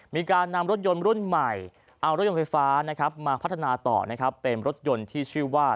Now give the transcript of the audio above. มีการนำรถยนต์รุ่นใหม่เอารถยนต์ไฟฟ้านะครับมาพัฒนาต่อนะครับเป็นรถยนต์ที่ชื่อว่า